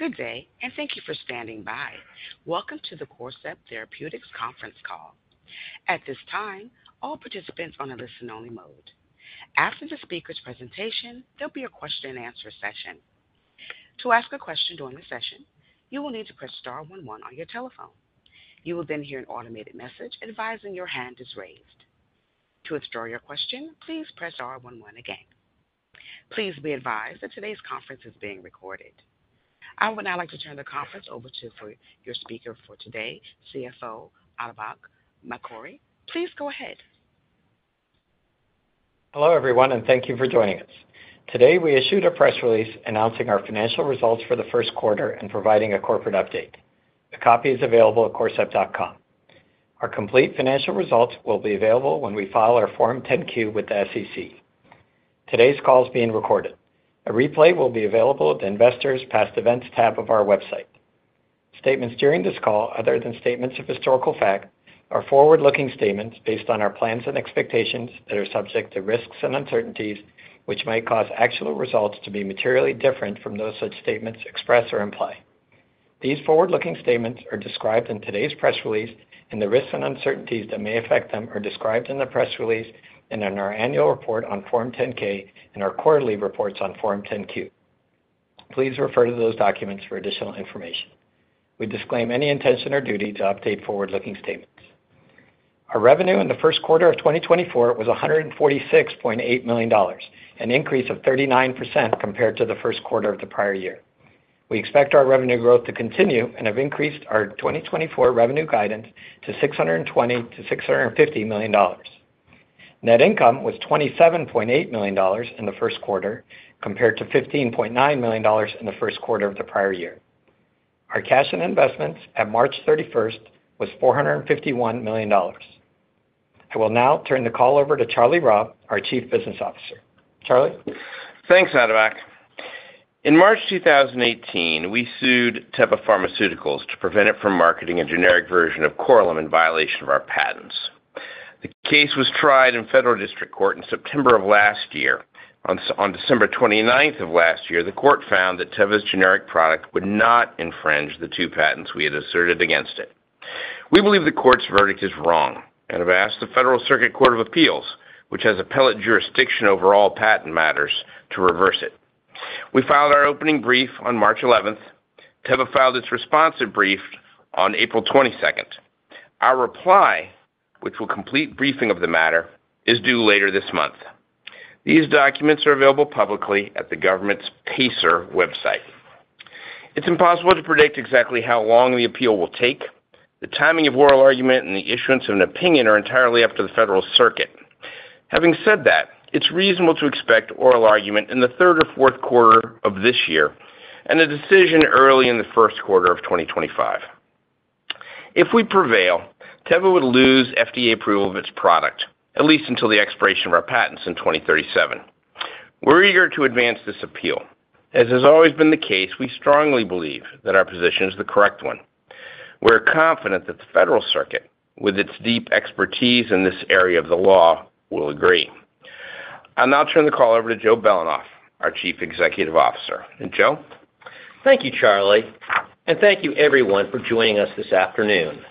Good day, and thank you for standing by. Welcome to the Corcept Therapeutics conference call. At this time, all participants are on a listen-only mode. After the speaker's presentation, there'll be a question and answer session. To ask a question during the session, you will need to press star one one on your telephone. You will then hear an automated message advising your hand is raised. To withdraw your question, please press star one one again. Please be advised that today's conference is being recorded. I would now like to turn the conference over to your speaker for today, CFO, Atabak Mokari. Please go ahead. Hello, everyone, and thank you for joining us. Today, we issued a press release announcing our financial results for the first quarter and providing a corporate update. The copy is available at corcept.com. Our complete financial results will be available when we file our Form 10-Q with the SEC. Today's call is being recorded. A replay will be available at the Investors Past Events tab of our website. Statements during this call, other than statements of historical fact, are forward-looking statements based on our plans and expectations that are subject to risks and uncertainties, which may cause actual results to be materially different from those such statements express or imply. These forward-looking statements are described in today's press release, and the risks and uncertainties that may affect them are described in the press release and in our annual report on Form 10-K and our quarterly reports on Form 10-Q. Please refer to those documents for additional information. We disclaim any intention or duty to update forward-looking statements. Our revenue in the first quarter of 2024 was $146.8 million, an increase of 39% compared to the first quarter of the prior year. We expect our revenue growth to continue and have increased our 2024 revenue guidance to $620 million-$650 million. Net income was $27.8 million in the first quarter, compared to $15.9 million in the first quarter of the prior year. Our cash and investments at March 31st was $451 million. I will now turn the call over to Charlie Robb, our Chief Business Officer. Charlie? Thanks, Atabak. In March 2018, we sued Teva Pharmaceuticals to prevent it from marketing a generic version of Korlym in violation of our patents. The case was tried in federal district court in September of last year. On December 29 of last year, the court found that Teva's generic product would not infringe the two patents we had asserted against it. We believe the court's verdict is wrong and have asked the Federal Circuit Court of Appeals, which has appellate jurisdiction over all patent matters, to reverse it. We filed our opening brief on March 11. Teva filed its responsive brief on April 22. Our reply, which will complete briefing of the matter, is due later this month. These documents are available publicly at the government's PACER website. It's impossible to predict exactly how long the appeal will take. The timing of oral argument and the issuance of an opinion are entirely up to the Federal Circuit. Having said that, it's reasonable to expect oral argument in the third or fourth quarter of this year and a decision early in the first quarter of 2025. If we prevail, Teva would lose FDA approval of its product, at least until the expiration of our patents in 2037. We're eager to advance this appeal. As has always been the case, we strongly believe that our position is the correct one. We're confident that the Federal Circuit, with its deep expertise in this area of the law, will agree. I'll now turn the call over to Joe Belanoff, our Chief Executive Officer. And Joe? Thank you, Charlie, and thank you everyone for joining us this afternoon.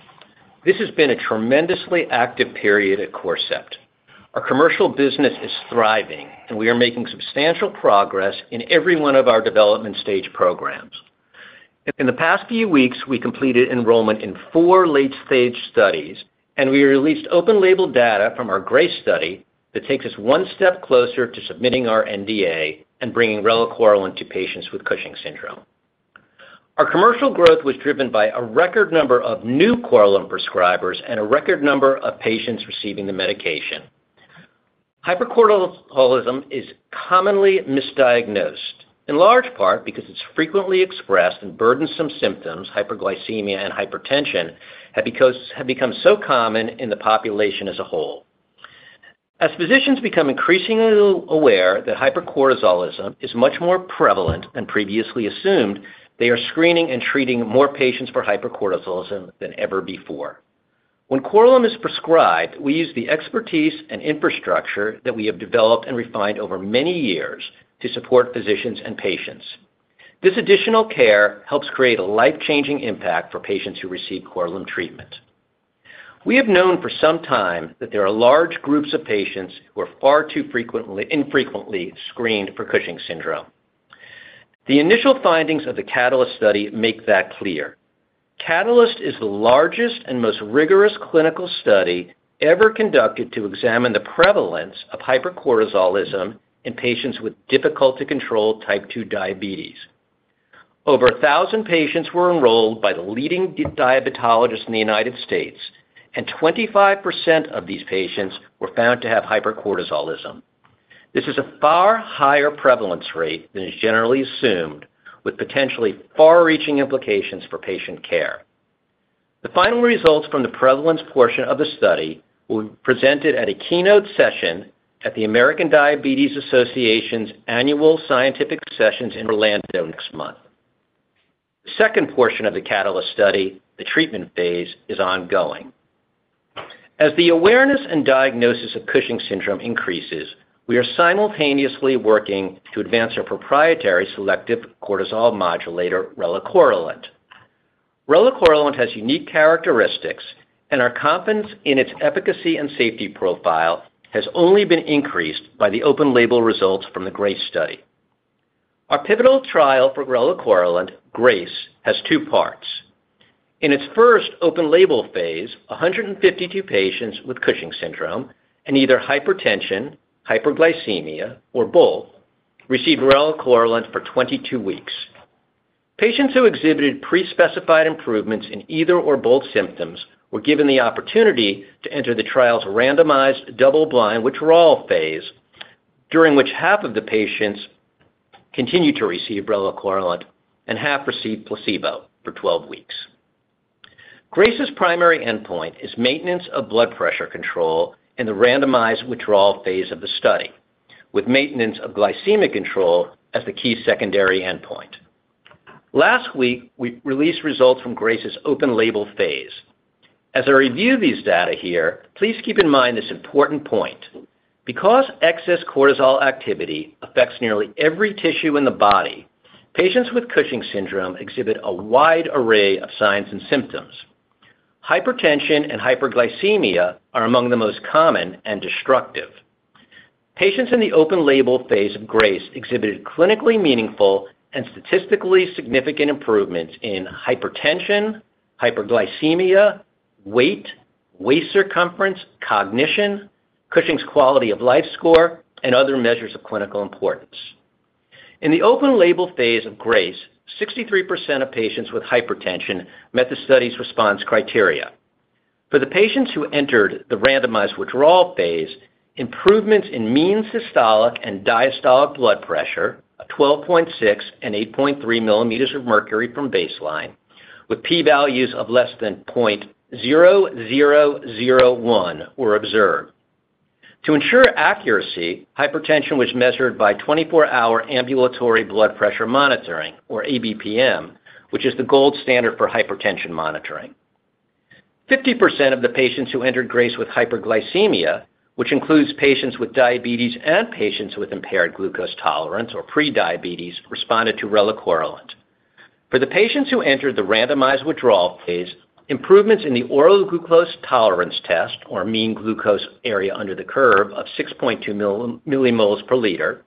This has been a tremendously active period at Corcept. Our commercial business is thriving, and we are making substantial progress in every one of our development-stage programs. In the past few weeks, we completed enrollment in four late-stage studies, and we released open-label data from our GRACE study that takes us one step closer to submitting our NDA and bringing relacorilant to patients with Cushing's syndrome. Our commercial growth was driven by a record number of new Korlym prescribers and a record number of patients receiving the medication. Hypercortisolism is commonly misdiagnosed, in large part because it's frequently expressed in burdensome symptoms, hyperglycemia and hypertension, have become so common in the population as a whole. As physicians become increasingly aware that hypercortisolism is much more prevalent than previously assumed, they are screening and treating more patients for hypercortisolism than ever before. When Korlym is prescribed, we use the expertise and infrastructure that we have developed and refined over many years to support physicians and patients. This additional care helps create a life-changing impact for patients who receive Korlym treatment. We have known for some time that there are large groups of patients who are far too frequently, infrequently screened for Cushing's syndrome. The initial findings of the CATALYST study make that clear. CATALYST is the largest and most rigorous clinical study ever conducted to examine the prevalence of hypercortisolism in patients with difficult-to-control type 2 diabetes. Over 1,000 patients were enrolled by the leading diabetologists in the United States, and 25% of these patients were found to have hypercortisolism. This is a far higher prevalence rate than is generally assumed, with potentially far-reaching implications for patient care. The final results from the prevalence portion of the study will be presented at a keynote session at the American Diabetes Association's Annual Scientific Sessions in Orlando next month. The second portion of the CATALYST study, the treatment phase, is ongoing. As the awareness and diagnosis of Cushing's syndrome increases, we are simultaneously working to advance our proprietary selective cortisol modulator, relacorilant. Relacorilant has unique characteristics, and our confidence in its efficacy and safety profile has only been increased by the open label results from the GRACE study. Our pivotal trial for relacorilant, GRACE, has two parts. In its first open label phase, 152 patients with Cushing's syndrome and either hypertension, hyperglycemia, or both, received relacorilant for 22 weeks. Patients who exhibited pre-specified improvements in either or both symptoms were given the opportunity to enter the trial's randomized double-blind withdrawal phase, during which half of the patients continued to receive relacorilant and half received placebo for 12 weeks. GRACE's primary endpoint is maintenance of blood pressure control in the randomized withdrawal phase of the study, with maintenance of glycemic control as the key secondary endpoint. Last week, we released results from GRACE's open label phase. As I review these data here, please keep in mind this important point. Because excess cortisol activity affects nearly every tissue in the body, patients with Cushing's syndrome exhibit a wide array of signs and symptoms. Hypertension and hyperglycemia are among the most common and destructive. Patients in the open-label phase of GRACE exhibited clinically meaningful and statistically significant improvements in hypertension, hyperglycemia, weight, waist circumference, cognition, Cushing's quality of life score, and other measures of clinical importance. In the open-label phase of GRACE, 63% of patients with hypertension met the study's response criteria. For the patients who entered the randomized withdrawal phase, improvements in mean systolic and diastolic blood pressure, a 12.6 and 8.3 mm Hg from baseline, with P values of less than 0.0001, were observed. To ensure accuracy, hypertension was measured by 24-hour ambulatory blood pressure monitoring or ABPM, which is the gold standard for hypertension monitoring. 50% of the patients who entered GRACE with hyperglycemia, which includes patients with diabetes and patients with impaired glucose tolerance or pre-diabetes, responded to relacorilant. For the patients who entered the randomized withdrawal phase, improvements in the oral glucose tolerance test, or mean glucose area under the curve of 6.2 millimoles per liter,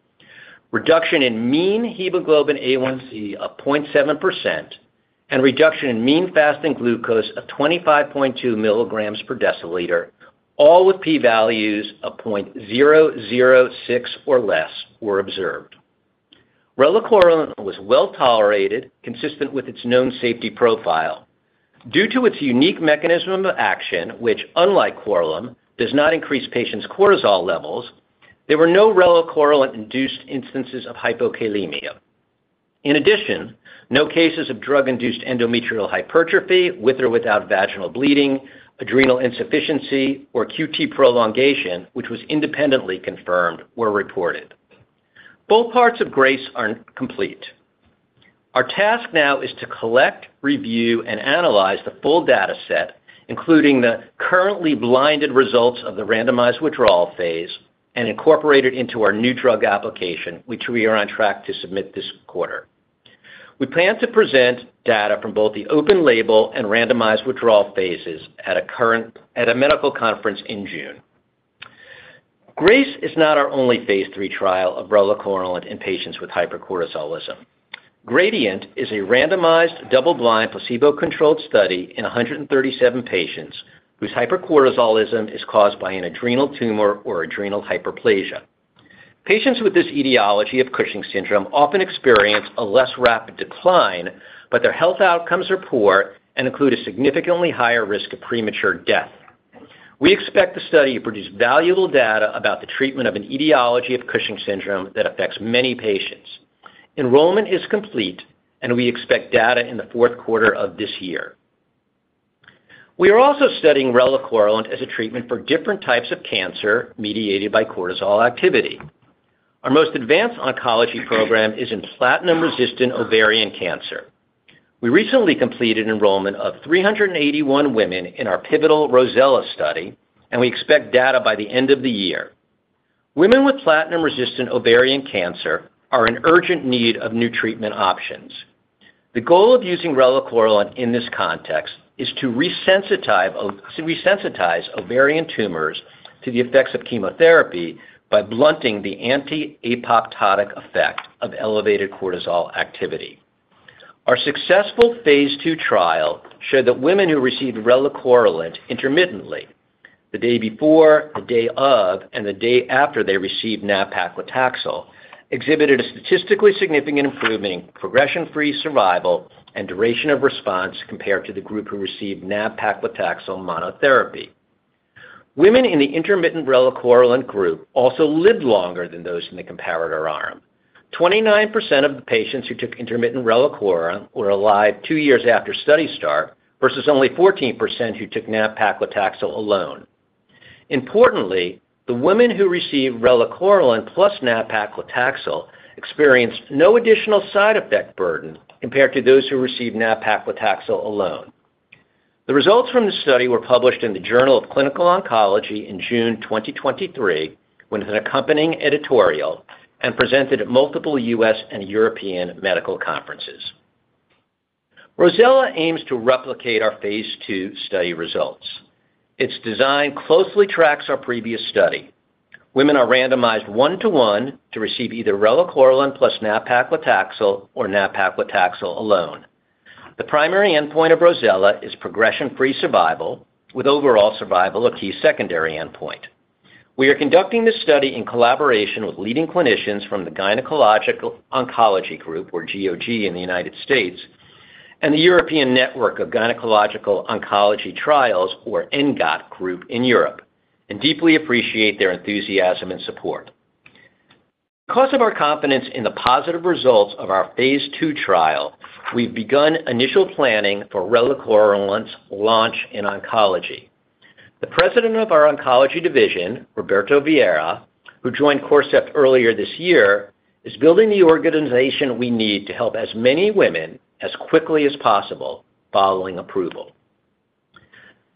reduction in mean hemoglobin A1C of 0.7%, and reduction in mean fasting glucose of 25.2 milligrams per deciliter, all with P values of 0.006 or less, were observed. Relacorilant was well tolerated, consistent with its known safety profile. Due to its unique mechanism of action, which, unlike Korlym, does not increase patients' cortisol levels, there were no relacorilant-induced instances of hypokalemia. In addition, no cases of drug-induced endometrial hypertrophy, with or without vaginal bleeding, adrenal insufficiency, or QT prolongation, which was independently confirmed, were reported. Both parts of GRACE are complete. Our task now is to collect, review, and analyze the full data set, including the currently blinded results of the randomized withdrawal phase, and incorporate it into our new drug application, which we are on track to submit this quarter. We plan to present data from both the open label and randomized withdrawal phases at a medical conference in June. GRACE is not our only Phase 3 trial of relacorilant in patients with hypercortisolism. GRADIENT is a randomized, double-blind, placebo-controlled study in 137 patients whose hypercortisolism is caused by an adrenal tumor or adrenal hyperplasia. Patients with this etiology of Cushing's syndrome often experience a less rapid decline, but their health outcomes are poor and include a significantly higher risk of premature death. We expect the study to produce valuable data about the treatment of an etiology of Cushing's syndrome that affects many patients. Enrollment is complete, and we expect data in the fourth quarter of this year. We are also studying relacorilant as a treatment for different types of cancer mediated by cortisol activity. Our most advanced oncology program is in platinum-resistant ovarian cancer. We recently completed enrollment of 381 women in our pivotal ROSELLA study, and we expect data by the end of the year. Women with platinum-resistant ovarian cancer are in urgent need of new treatment options. The goal of using relacorilant in this context is to resensitize ovarian tumors to the effects of chemotherapy by blunting the anti-apoptotic effect of elevated cortisol activity. Our successful phase 2 trial showed that women who received relacorilant intermittently, the day before, the day of, and the day after they received nab-paclitaxel, exhibited a statistically significant improvement in progression-free survival and duration of response compared to the group who received nab-paclitaxel monotherapy. Women in the intermittent relacorilant group also lived longer than those in the comparator arm. 29% of the patients who took intermittent relacorilant were alive two years after study start, versus only 14% who took nab-paclitaxel alone. Importantly, the women who received relacorilant plus nab-paclitaxel experienced no additional side effect burden compared to those who received nab-paclitaxel alone. The results from the study were published in the Journal of Clinical Oncology in June 2023, with an accompanying editorial and presented at multiple U.S. and European medical conferences. ROSELLA aims to replicate our phase 2 study results. Its design closely tracks our previous study. Women are randomized 1:1 to receive either relacorilant plus nab-paclitaxel or nab-paclitaxel alone. The primary endpoint of ROSELLA is progression-free survival, with overall survival a key secondary endpoint. We are conducting this study in collaboration with leading clinicians from the Gynecologic Oncology Group, or GOG, in the United States, and the European Network of Gynaecological Oncological Trial groups, or ENGOT, in Europe, and deeply appreciate their enthusiasm and support. Because of our confidence in the positive results of our phase 2 trial, we've begun initial planning for relacorilant's launch in oncology. The President of our oncology division, Roberto Vieira, who joined Corcept earlier this year, is building the organization we need to help as many women as quickly as possible following approval.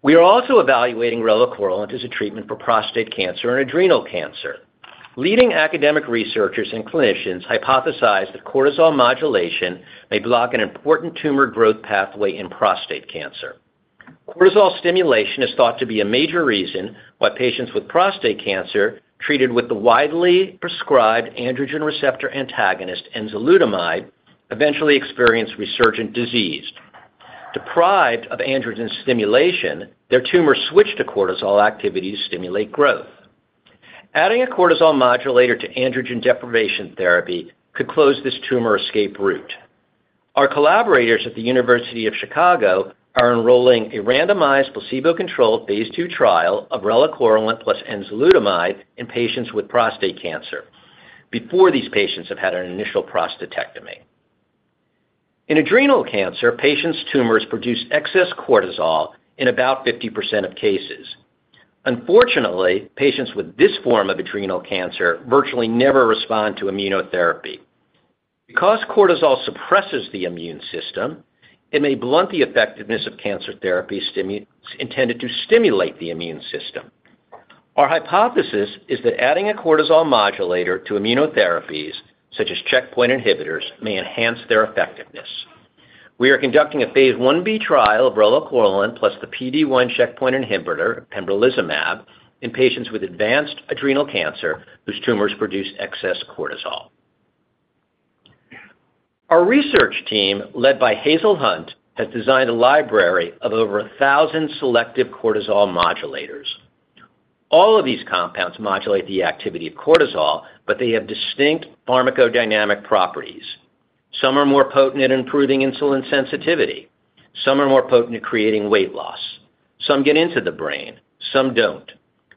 We are also evaluating relacorilant as a treatment for prostate cancer and adrenal cancer. Leading academic researchers and clinicians hypothesize that cortisol modulation may block an important tumor growth pathway in prostate cancer. Cortisol stimulation is thought to be a major reason why patients with prostate cancer treated with the widely prescribed androgen receptor antagonist, enzalutamide, eventually experience resurgent disease. Deprived of androgen stimulation, their tumors switch to cortisol activity to stimulate growth. Adding a cortisol modulator to androgen deprivation therapy could close this tumor escape route. Our collaborators at the University of Chicago are enrolling a randomized, placebo-controlled phase 2 trial of relacorilant plus enzalutamide in patients with prostate cancer before these patients have had an initial prostatectomy. In adrenal cancer, patients' tumors produce excess cortisol in about 50% of cases. Unfortunately, patients with this form of adrenal cancer virtually never respond to immunotherapy. Because cortisol suppresses the immune system, it may blunt the effectiveness of cancer therapies intended to stimulate the immune system. Our hypothesis is that adding a cortisol modulator to immunotherapies, such as checkpoint inhibitors, may enhance their effectiveness. We are conducting a phase 1b trial of relacorilant plus the PD-1 checkpoint inhibitor, pembrolizumab, in patients with advanced adrenal cancer whose tumors produce excess cortisol. Our research team, led by Hazel Hunt, has designed a library of over 1,000 selective cortisol modulators. All of these compounds modulate the activity of cortisol, but they have distinct pharmacodynamic properties. Some are more potent at improving insulin sensitivity. Some are more potent at creating weight loss. Some get into the brain, some don't.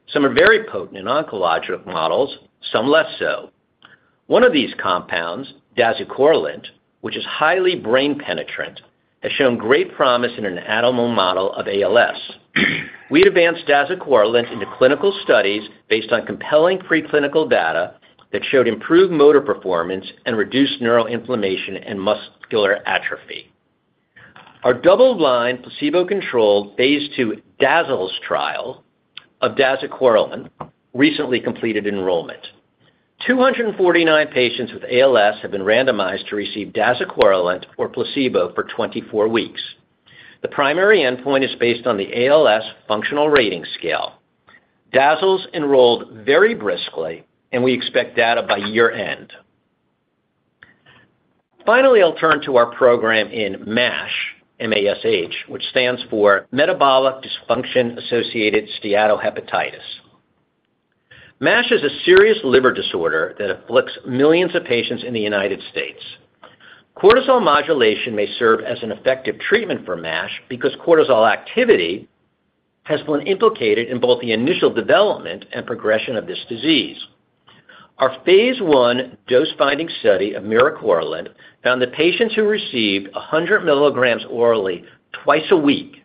Some are very potent in oncologic models, some less so. One of these compounds, dasacorilant, which is highly brain penetrant, has shown great promise in an animal model of ALS. We advanced dasacorilant into clinical studies based on compelling preclinical data that showed improved motor performance and reduced neural inflammation and muscular atrophy. Our double-blind, placebo-controlled phase 2 DAZZLE trial of dasacorilant recently completed enrollment. 249 patients with ALS have been randomized to receive dasacorilant or placebo for 24 weeks. The primary endpoint is based on the ALS Functional Rating Scale. DAZZLE enrolled very briskly, and we expect data by year-end. Finally, I'll turn to our program in MASH, M-A-S-H, which stands for Metabolic Dysfunction-Associated Steatohepatitis. MASH is a serious liver disorder that afflicts millions of patients in the United States. Cortisol modulation may serve as an effective treatment for MASH because cortisol activity has been implicated in both the initial development and progression of this disease. Our phase 1 dose-finding study of miracorilant found that patients who received 100 milligrams orally twice a week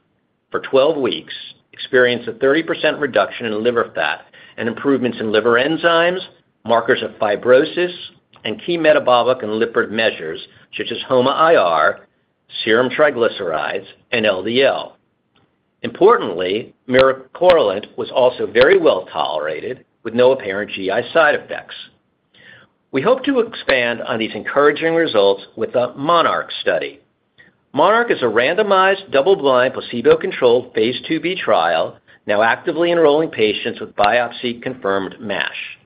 for 12 weeks experienced a 30% reduction in liver fat and improvements in liver enzymes, markers of fibrosis, and key metabolic and lipid measures, such as HOMA-IR, serum triglycerides, and LDL. Importantly, miracorilant was also very well-tolerated, with no apparent GI side effects. We hope to expand on these encouraging results with the MONARCH study. MONARCH is a randomized, double-blind, placebo-controlled phase 2b trial, now actively enrolling patients with biopsy-confirmed MASH.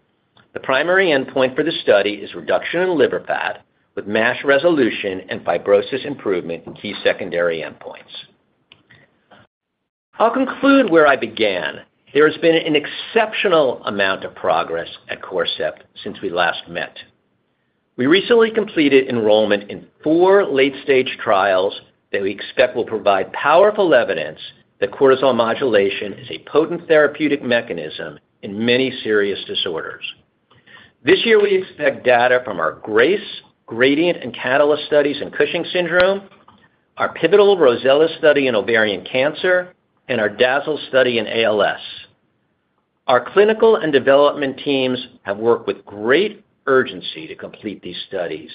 The primary endpoint for this study is reduction in liver fat, with MASH resolution and fibrosis improvement in key secondary endpoints. I'll conclude where I began. There has been an exceptional amount of progress at Corcept since we last met. We recently completed enrollment in 4 late-stage trials that we expect will provide powerful evidence that cortisol modulation is a potent therapeutic mechanism in many serious disorders. This year, we expect data from our GRACE, GRADIENT, and CATALYST studies in Cushing's syndrome, our pivotal ROSELLA study in ovarian cancer, and our DAZZLE study in ALS. Our clinical and development teams have worked with great urgency to complete these studies.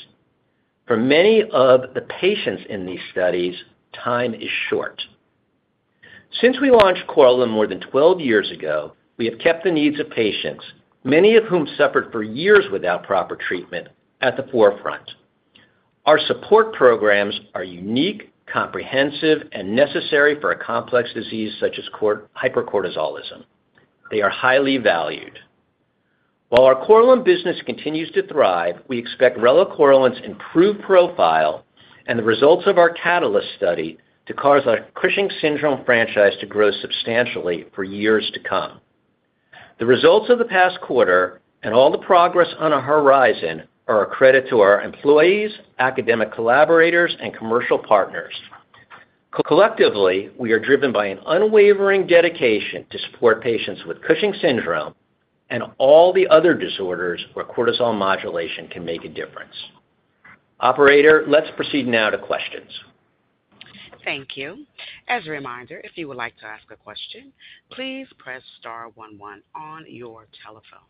For many of the patients in these studies, time is short. Since we launched Korlym more than 12 years ago, we have kept the needs of patients, many of whom suffered for years without proper treatment, at the forefront. Our support programs are unique, comprehensive, and necessary for a complex disease such as hypercortisolism. They are highly valued. While our Korlym business continues to thrive, we expect relacorilant's improved profile and the results of our CATALYST study to cause our Cushing's syndrome franchise to grow substantially for years to come. The results of the past quarter and all the progress on our horizon are a credit to our employees, academic collaborators, and commercial partners. Collectively, we are driven by an unwavering dedication to support patients with Cushing's syndrome and all the other disorders where cortisol modulation can make a difference. Operator, let's proceed now to questions. Thank you. As a reminder, if you would like to ask a question, please press star one, one on your telephone.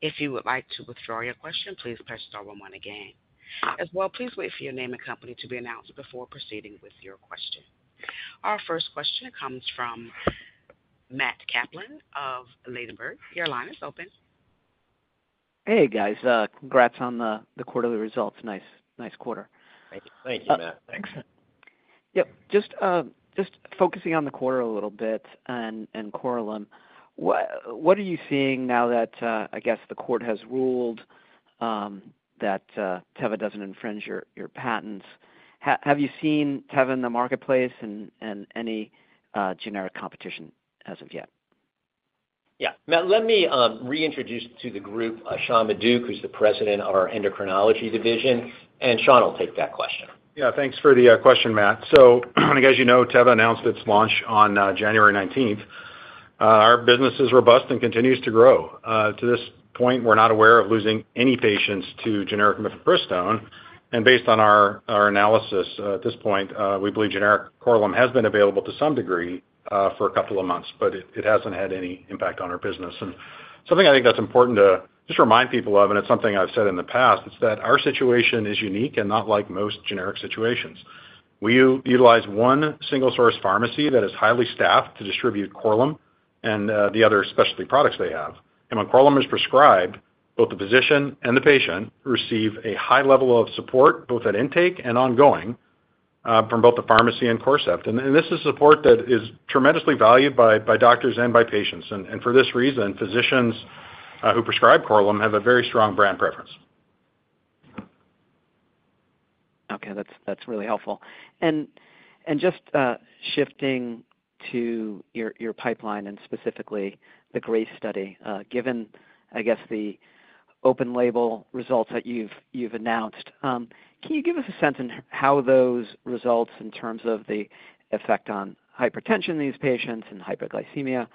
If you would like to withdraw your question, please press star one, one again. As well, please wait for your name and company to be announced before proceeding with your question. Our first question comes from Matt Kaplan of Ladenburg. Your line is open. Hey, guys, congrats on the quarterly results. Nice quarter. Thank you, Matt. Thanks. Yep. Just focusing on the quarter a little bit and Korlym. What are you seeing now that, I guess, the court has ruled that Teva doesn't infringe your patents? Have you seen Teva in the marketplace and any generic competition as of yet? Yeah. Matt, let me reintroduce to the group, Sean Maduck, who's the President of our endocrinology division, and Sean will take that question. Yeah, thanks for the question, Matt. So as you know, Teva announced its launch on January 19th. Our business is robust and continues to grow. To this point, we're not aware of losing any patients to generic mifepristone, and based on our analysis, at this point, we believe generic Korlym has been available to some degree for a couple of months, but it hasn't had any impact on our business. And something I think that's important to just remind people of, and it's something I've said in the past, is that our situation is unique and not like most generic situations. We utilize one single source pharmacy that is highly staffed to distribute Korlym and the other specialty products they have. When Korlym is prescribed, both the physician and the patient receive a high level of support, both at intake and ongoing, from both the pharmacy and Corcept. This is support that is tremendously valued by doctors and patients. For this reason, physicians who prescribe Korlym have a very strong brand preference. Okay, that's really helpful. And just shifting to your pipeline and specifically the GRACE study, given, I guess, the open label results that you've announced, can you give us a sense in how those results in terms of the effect on hypertension in these patients and hyperglycemia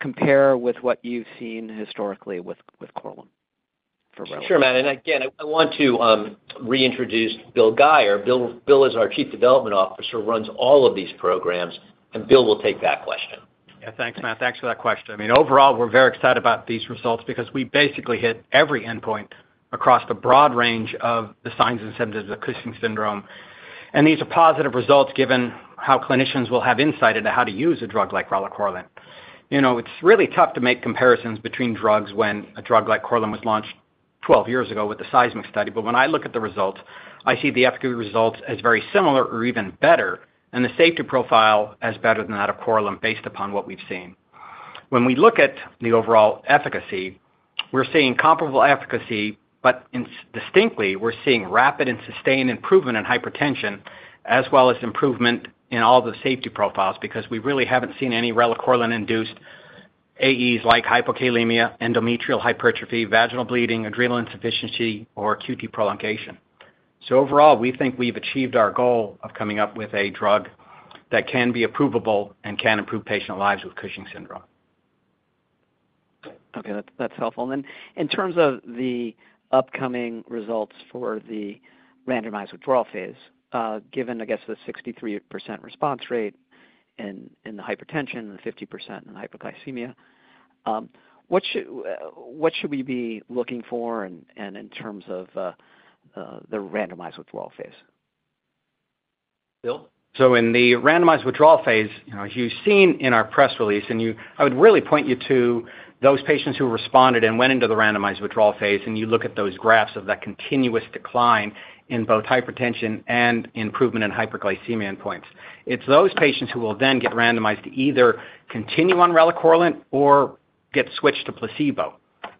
compare with what you've seen historically with Korlym for relacorilant? Sure, Matt, and again, I want to reintroduce Bill Guyer. Bill, Bill is our Chief Development Officer, runs all of these programs, and Bill will take that question. Yeah, thanks, Matt. Thanks for that question. I mean, overall, we're very excited about these results because we basically hit every endpoint across the broad range of the signs and symptoms of Cushing's syndrome. And these are positive results given how clinicians will have insight into how to use a drug like relacorilant. You know, it's really tough to make comparisons between drugs when a drug like Korlym was launched 12 years ago with the SEISMIC study. But when I look at the results, I see the FQ results as very similar or even better, and the safety profile as better than that of Korlym, based upon what we've seen. When we look at the overall efficacy, we're seeing comparable efficacy, but distinctly, we're seeing rapid and sustained improvement in hypertension, as well as improvement in all the safety profiles, because we really haven't seen any relacorilant-induced AEs like hypokalemia, endometrial hypertrophy, vaginal bleeding, adrenal insufficiency, or QT prolongation. So overall, we think we've achieved our goal of coming up with a drug that can be approvable and can improve patient lives with Cushing's syndrome. Okay, that's, that's helpful. And then in terms of the upcoming results for the randomized withdrawal phase, given, I guess, the 63% response rate in the hypertension and the 50% in hyperglycemia, what should we be looking for in terms of the randomized withdrawal phase? Bill? So in the randomized withdrawal phase, you know, as you've seen in our press release, and you, I would really point you to those patients who responded and went into the randomized withdrawal phase, and you look at those graphs of that continuous decline in both hypertension and improvement in hyperglycemia endpoints. It's those patients who will then get randomized to either continue on relacorilant or get switched to placebo.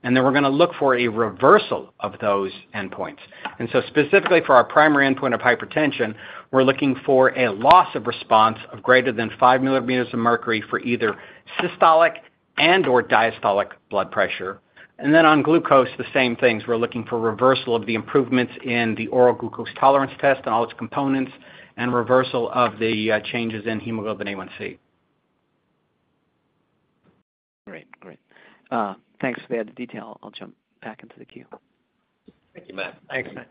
And then we're gonna look for a reversal of those endpoints. And so specifically for our primary endpoint of hypertension, we're looking for a loss of response of greater than 5 millimeters of mercury for either systolic and/or diastolic blood pressure. And then on glucose, the same things, we're looking for reversal of the improvements in the oral glucose tolerance test and all its components, and reversal of the changes in hemoglobin A1c. Great, great. Thanks for that detail. I'll jump back into the queue. Thank you, Matt. Thanks, Matt.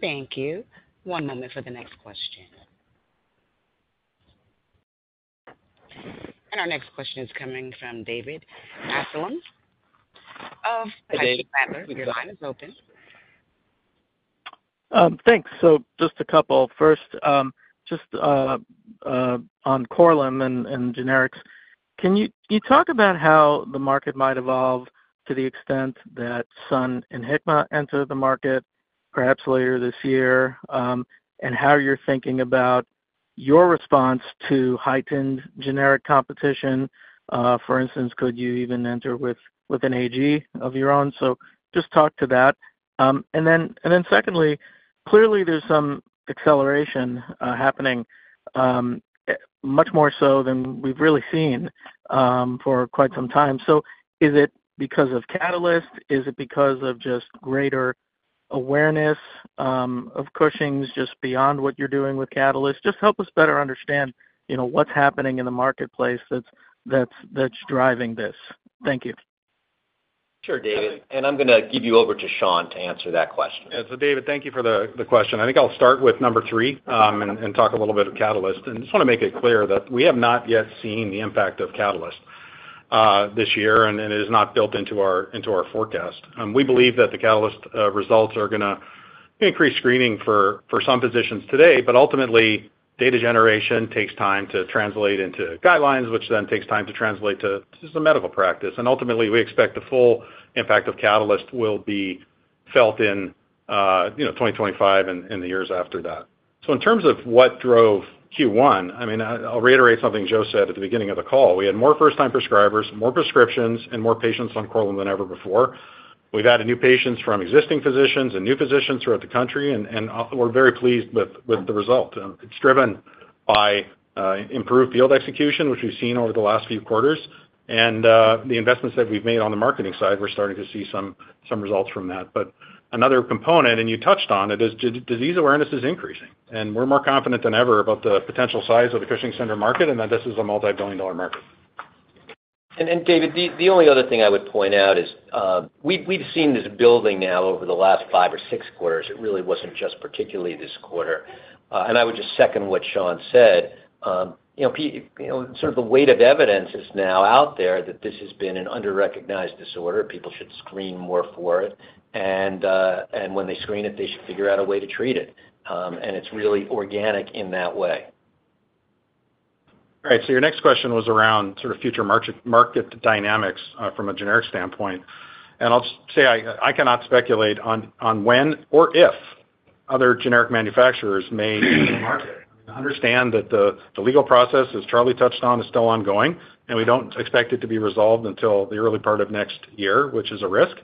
Thank you. One moment for the next question. Our next question is coming from David Amsellem of. Your line is open. Thanks. So just a couple. First, just on Korlym and generics, can you talk about how the market might evolve to the extent that Sun and Hikma enter the market, perhaps later this year, and how you're thinking about your response to heightened generic competition? For instance, could you even enter with an AG of your own? So just talk to that. And then secondly, clearly, there's some acceleration happening, much more so than we've really seen, for quite some time. So is it because of Catalyst? Is it because of just greater awareness of Cushing's just beyond what you're doing with Catalyst? Just help us better understand, you know, what's happening in the marketplace that's driving this. Thank you. Sure, David, and I'm gonna give you over to Sean to answer that question. Yeah. So, David, thank you for the question. I think I'll start with number three, and talk a little bit of CATALYST. And just wanna make it clear that we have not yet seen the impact of CATALYST this year, and it is not built into our forecast. We believe that the CATALYST results are gonna increase screening for some physicians today, but ultimately, data generation takes time to translate into guidelines, which then takes time to translate to just a medical practice. And ultimately, we expect the full impact of CATALYST will be felt in, you know, 2025 and the years after that. So in terms of what drove Q1, I mean, I'll reiterate something Joe said at the beginning of the call. We had more first-time prescribers, more prescriptions and more patients on Korlym than ever before. We've added new patients from existing physicians and new physicians throughout the country, and we're very pleased with the result. It's driven by improved field execution, which we've seen over the last few quarters, and the investments that we've made on the marketing side, we're starting to see some results from that. But another component, and you touched on it, is disease awareness is increasing, and we're more confident than ever about the potential size of the Cushing's syndrome market and that this is a multibillion-dollar market. David, the only other thing I would point out is, we've seen this building now over the last five or six quarters. It really wasn't just particularly this quarter. And I would just second what Sean said. You know, you know, sort of the weight of evidence is now out there that this has been an underrecognized disorder. People should screen more for it, and when they screen it, they should figure out a way to treat it. And it's really organic in that way. All right, so your next question was around sort of future market, market dynamics, from a generic standpoint. And I'll say I cannot speculate on when or if other generic manufacturers may enter the market. Understand that the legal process, as Charlie touched on, is still ongoing, and we don't expect it to be resolved until the early part of next year, which is a risk.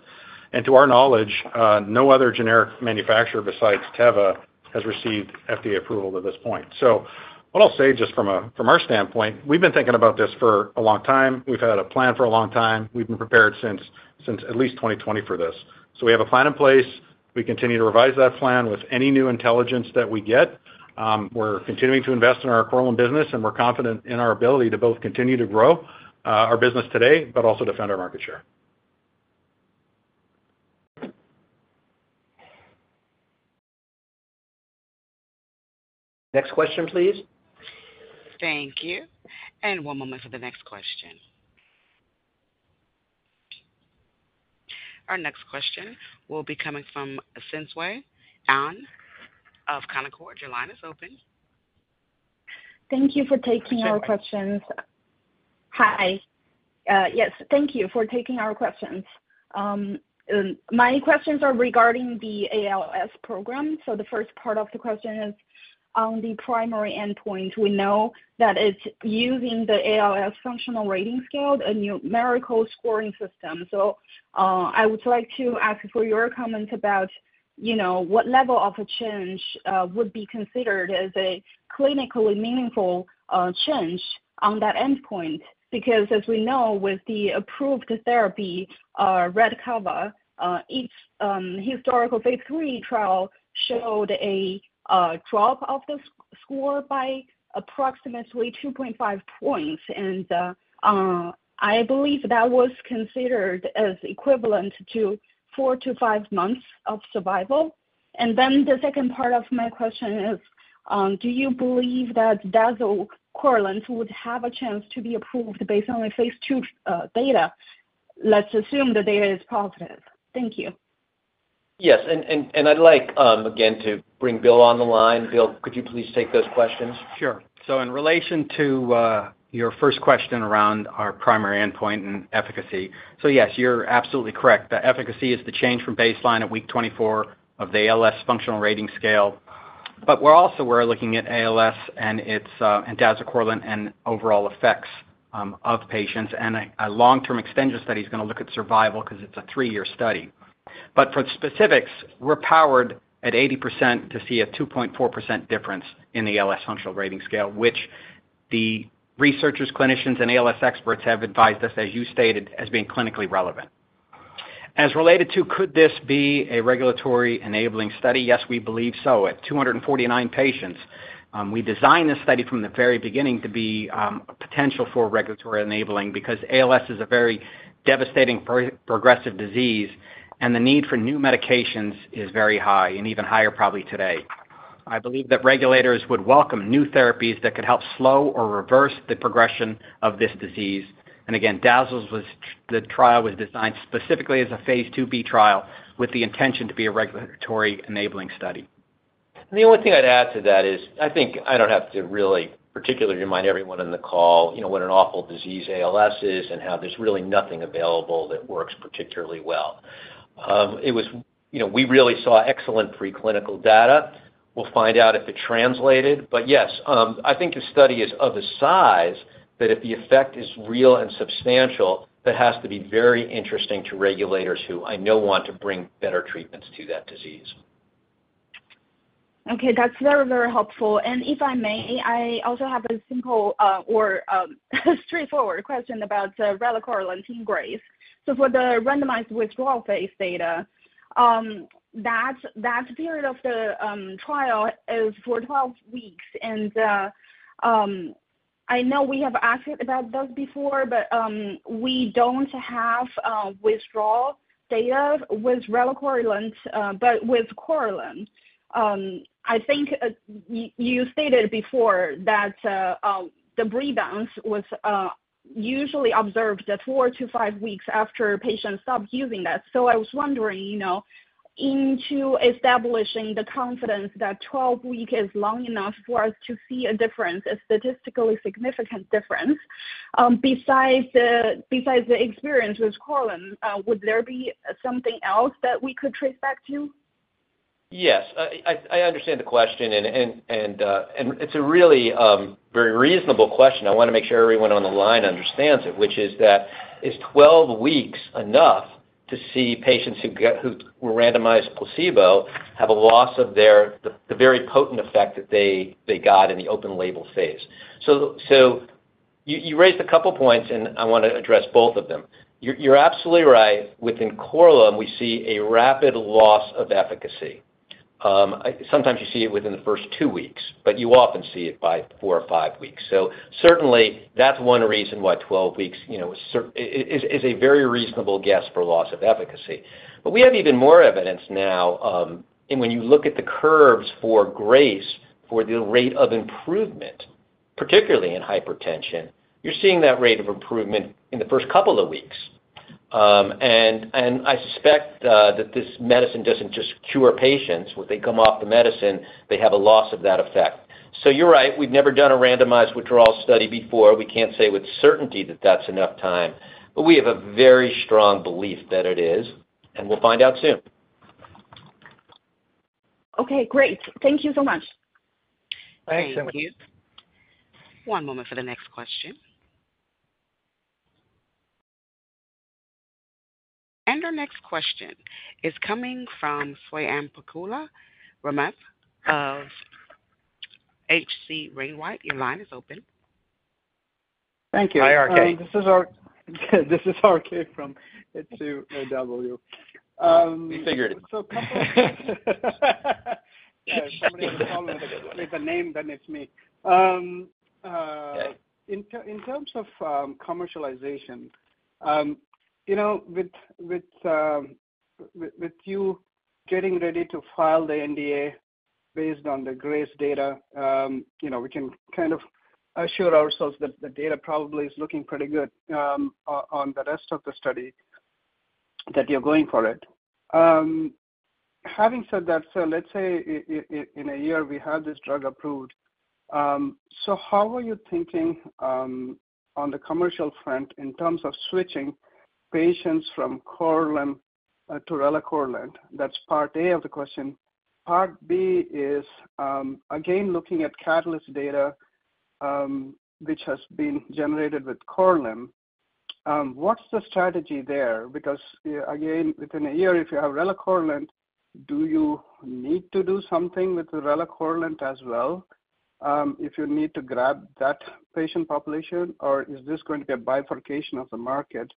And to our knowledge, no other generic manufacturer besides Teva has received FDA approval to this point. So what I'll say, just from from our standpoint, we've been thinking about this for a long time. We've had a plan for a long time. We've been prepared since at least 2020 for this. So we have a plan in place. We continue to revise that plan with any new intelligence that we get. We're continuing to invest in our Korlym business, and we're confident in our ability to both continue to grow our business today but also defend our market share. Next question, please. Thank you. And one moment for the next question. Our next question will be coming from Edward Nash of Canaccord Genuity. Your line is open. Thank you for taking our questions. Hi. Yes, thank you for taking our questions. My questions are regarding the ALS program. So the first part of the question is, on the primary endpoint, we know that it's using the ALS functional rating scale, a numerical scoring system. So, I would like to ask for your comments about, you know, what level of a change would be considered as a clinically meaningful change on that endpoint? Because as we know, with the approved therapy, Radicava, each historical phase 3 trial showed a drop of the score by approximately 2.5 points. And I believe that was considered as equivalent to 4-5 months of survival. And then the second part of my question is, do you believe that dasacorilant would have a chance to be approved based on a phase 2 data? Let's assume the data is positive. Thank you. Yes, I'd like, again, to bring Bill on the line. Bill, could you please take those questions? Sure. So in relation to your first question around our primary endpoint and efficacy. So yes, you're absolutely correct. The efficacy is the change from baseline at week 24 of the ALS Functional Rating Scale. But we're also looking at ALS and its and dasacorilant and overall effects of patients. And a long-term extension study is gonna look at survival 'cause it's a 3-year study. But for the specifics, we're powered at 80% to see a 2.4% difference in the ALS Functional Rating Scale, which the researchers, clinicians, and ALS experts have advised us, as you stated, as being clinically relevant. As related to could this be a regulatory enabling study? Yes, we believe so. At 249 patients, we designed this study from the very beginning to be a potential for regulatory enabling because ALS is a very devastating, very progressive disease, and the need for new medications is very high and even higher probably today. I believe that regulators would welcome new therapies that could help slow or reverse the progression of this disease. And again, DAZZLE's was, the trial was designed specifically as a phase 2b trial with the intention to be a regulatory enabling study. The only thing I'd add to that is, I think I don't have to really particularly remind everyone on the call, you know, what an awful disease ALS is and how there's really nothing available that works particularly well. It was, you know, we really saw excellent preclinical data. We'll find out if it translated. But yes, I think the study is of a size that if the effect is real and substantial, that has to be very interesting to regulators who I know want to bring better treatments to that disease. Okay, that's very, very helpful. And if I may, I also have a simple, straightforward question about relacorilant GRACE. So for the randomized withdrawal phase data, that period of the trial is for 12 weeks. And I know we have asked about those before, but we don't have withdrawal data with relacorilant, but with Korlym. I think you stated before that the rebounds was usually observed at 4-5 weeks after patients stopped using that. So I was wondering, you know, into establishing the confidence that 12-week is long enough for us to see a difference, a statistically significant difference, besides the experience with Korlym, would there be something else that we could trace back to? Yes. I understand the question and it's a really very reasonable question. I wanna make sure everyone on the line understands it, which is that, is 12 weeks enough to see patients who were randomized placebo, have a loss of their the very potent effect that they got in the open label phase? So you raised a couple points, and I wanna address both of them. You're absolutely right. Within Korlym, we see a rapid loss of efficacy. Sometimes you see it within the first 2 weeks, but you often see it by 4 or 5 weeks. So certainly, that's one reason why 12 weeks, you know, is a very reasonable guess for loss of efficacy. But we have even more evidence now, and when you look at the curves for GRACE, for the rate of improvement, particularly in hypertension, you're seeing that rate of improvement in the first couple of weeks. And I suspect that this medicine doesn't just cure patients. When they come off the medicine, they have a loss of that effect. So you're right, we've never done a randomized withdrawal study before. We can't say with certainty that that's enough time, but we have a very strong belief that it is, and we'll find out soon. Okay, great. Thank you so much. Thanks so much. Thank you. One moment for the next question. Our next question is coming from Swayampakula Ramakanth of H.C. Wainwright. Your line is open. Thank you. Hi, RK. This is RK from H.C. Wainwright. We figured it. Couple of... Somebody with a name, then it's me. Okay. In terms of commercialization, you know, with you getting ready to file the NDA based on the GRACE data, you know, we can kind of assure ourselves that the data probably is looking pretty good on the rest of the study, that you're going for it. Having said that, so let's say in a year, we have this drug approved, so how are you thinking on the commercial front in terms of switching patients from Korlym to relacorilant? That's part A of the question. Part B is, again, looking at CATALYST data, which has been generated with Korlym, what's the strategy there? Because, again, within a year, if you have relacorilant, do you need to do something with the relacorilant as well, if you need to grab that patient population? Or is this going to be a bifurcation of the market,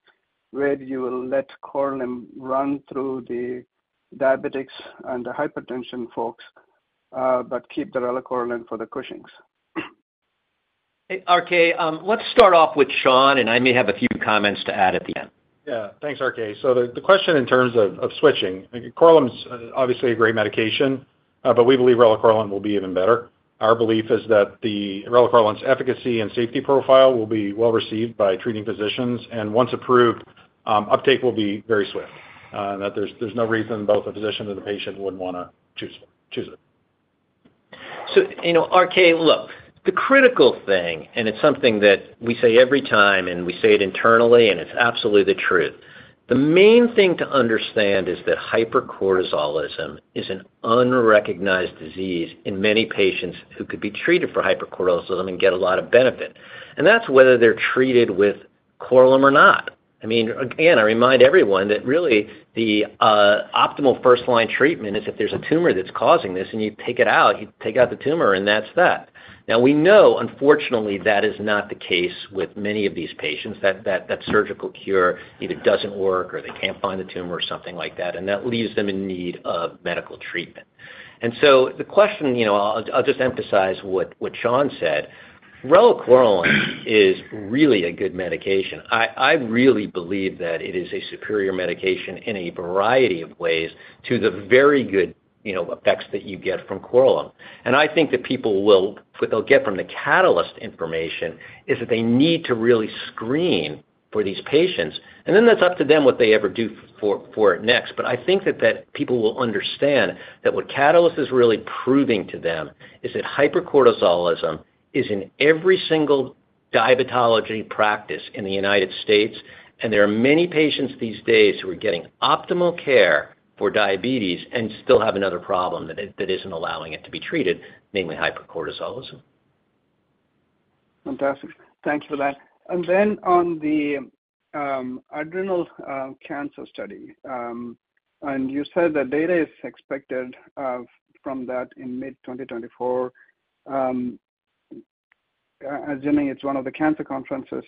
where you will let Korlym run through the diabetics and the hypertension folks, but keep the relacorilant for the Cushing's? Hey, RK, let's start off with Sean, and I may have a few comments to add at the end. Yeah. Thanks, RK. So the question in terms of switching, Korlym's obviously a great medication, but we believe relacorilant will be even better. Our belief is that the relacorilant's efficacy and safety profile will be well-received by treating physicians, and once approved, uptake will be very swift, and that there's no reason both the physician and the patient wouldn't wanna choose it. So, you know, RK, look, the critical thing, and it's something that we say every time, and we say it internally, and it's absolutely the truth. The main thing to understand is that hypercortisolism is an unrecognized disease in many patients who could be treated for hypercortisolism and get a lot of benefit. And that's whether they're treated with Korlym or not? I mean, again, I remind everyone that really the optimal first line treatment is if there's a tumor that's causing this, and you take it out, you take out the tumor, and that's that. Now, we know, unfortunately, that is not the case with many of these patients, that surgical cure either doesn't work, or they can't find the tumor or something like that, and that leaves them in need of medical treatment. And so the question, you know, I'll, I'll just emphasize what, what Sean said. Relacorilant is really a good medication. I, I really believe that it is a superior medication in a variety of ways to the very good, you know, effects that you get from Korlym. And I think that people will—what they'll get from the CATALYST information, is that they need to really screen for these patients, and then that's up to them, what they ever do for, for next. But I think that, that people will understand that what CATALYST is really proving to them is that hypercortisolism is in every single diabetology practice in the United States, and there are many patients these days who are getting optimal care for diabetes and still have another problem that, that isn't allowing it to be treated, namely hypercortisolism. Fantastic. Thank you for that. And then on the adrenal cancer study, and you said the data is expected from that in mid-2024, assuming it's one of the cancer conferences.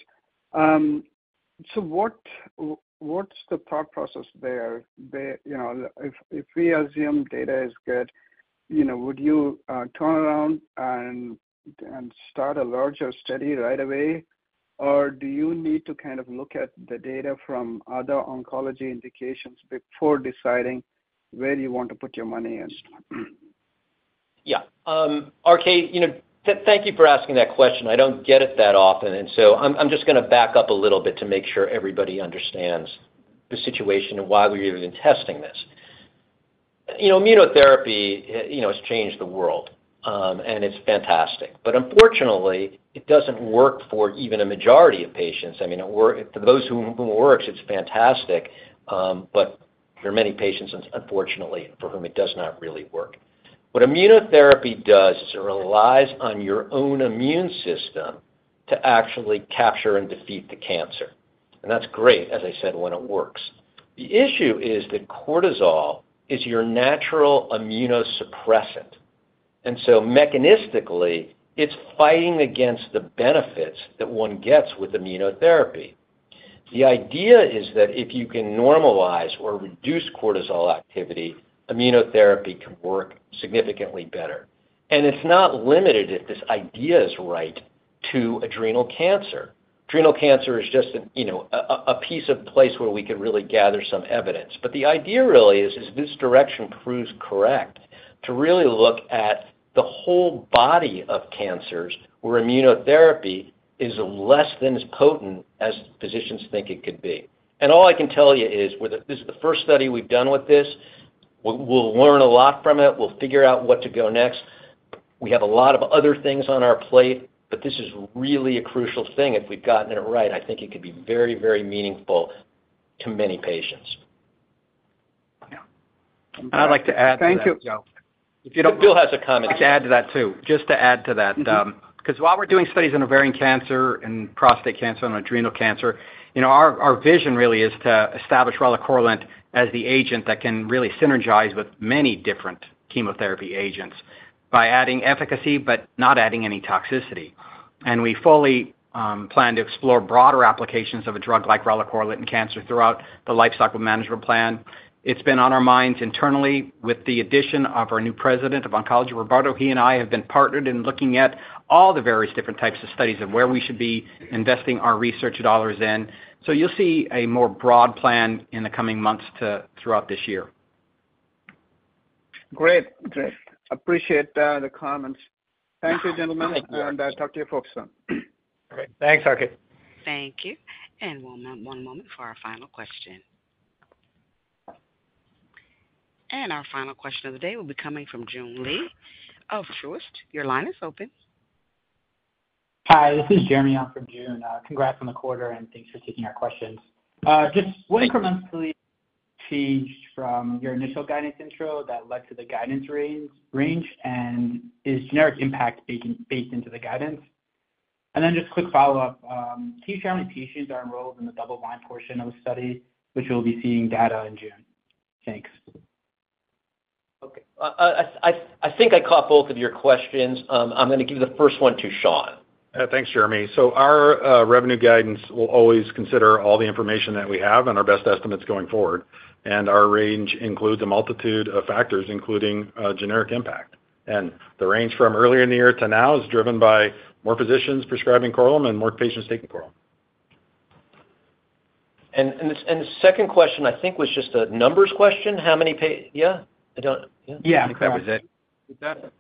So what, what's the thought process there? You know, if we assume data is good, you know, would you turn around and start a larger study right away? Or do you need to kind of look at the data from other oncology indications before deciding where you want to put your money in? Yeah. RK, you know, thank you for asking that question. I don't get it that often, and so I'm just gonna back up a little bit to make sure everybody understands the situation and why we're even testing this. You know, immunotherapy, you know, has changed the world, and it's fantastic. But unfortunately, it doesn't work for even a majority of patients. I mean, for those whom it works, it's fantastic, but there are many patients, unfortunately, for whom it does not really work. What immunotherapy does is it relies on your own immune system to actually capture and defeat the cancer. And that's great, as I said, when it works. The issue is that cortisol is your natural immunosuppressant, and so mechanistically, it's fighting against the benefits that one gets with immunotherapy. The idea is that if you can normalize or reduce cortisol activity, immunotherapy can work significantly better. And it's not limited, if this idea is right, to adrenal cancer. Adrenal cancer is just an, you know, a piece of place where we could really gather some evidence. But the idea really is, if this direction proves correct, to really look at the whole body of cancers, where immunotherapy is less than as potent as physicians think it could be. And all I can tell you is, with this is the first study we've done with this. We'll learn a lot from it. We'll figure out what to go next. We have a lot of other things on our plate, but this is really a crucial thing. If we've gotten it right, I think it could be very, very meaningful to many patients. Yeah. I'd like to add to that, Joe. If you don't... Bill has a comment. I'd add to that, too. Just to add to that, because while we're doing studies on ovarian cancer and prostate cancer and adrenal cancer, you know, our vision really is to establish relacorilant as the agent that can really synergize with many different chemotherapy agents, by adding efficacy, but not adding any toxicity. And we fully plan to explore broader applications of a drug like relacorilant in cancer throughout the lifecycle management plan. It's been on our minds internally with the addition of our new president of oncology, Roberto. He and I have been partnered in looking at all the various different types of studies of where we should be investing our research dollars in. So you'll see a more broad plan in the coming months throughout this year. Great. Great. Appreciate the comments. Thank you, gentlemen, and talk to you folks soon. Great. Thanks, RK. Thank you, and one moment for our final question. Our final question of the day will be coming from Joon Lee of Truist. Your line is open. Hi, this is Jeremy. I'm from June. Congrats on the quarter, and thanks for taking our questions. Just what incrementally changed from your initial guidance intro that led to the guidance range, and is generic impact baked into the guidance? And then just quick follow-up, can you share how many patients are enrolled in the double-blind portion of the study, which you'll be seeing data in June? Thanks. Okay. I think I caught both of your questions. I'm gonna give the first one to Sean. Thanks, Jeremy. Our revenue guidance will always consider all the information that we have and our best estimates going forward. Our range includes a multitude of factors, including generic impact. The range from earlier in the year to now is driven by more physicians prescribing Korlym and more patients taking Korlym. The second question, I think, was just a numbers question. How many pa-- Yeah, I don't- Yeah, that was it.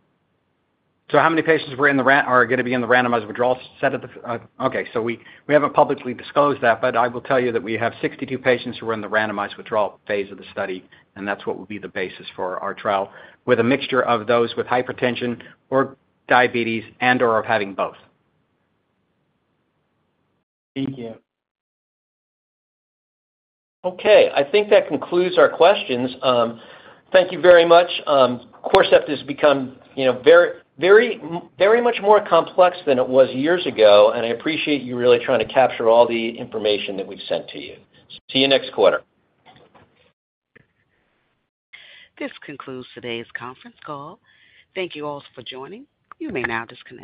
So how many patients are gonna be in the randomized withdrawal set at the... Okay, so we, we haven't publicly disclosed that, but I will tell you that we have 62 patients who are in the randomized withdrawal phase of the study, and that's what will be the basis for our trial, with a mixture of those with hypertension or diabetes and/or having both. Thank you. Okay, I think that concludes our questions. Thank you very much. Corcept has become, you know, very, very, very much more complex than it was years ago, and I appreciate you really trying to capture all the information that we've sent to you. See you next quarter. This concludes today's conference call. Thank you all for joining. You may now disconnect.